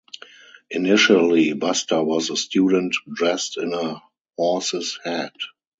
Initially Buster was a student dressed in a horse's head.